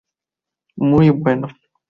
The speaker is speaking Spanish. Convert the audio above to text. Muy bueno.